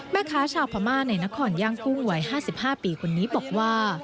แม่ค้าชาวพม่าในนครย่างกุ้งวัย๕๕ปีคนนี้บอกว่า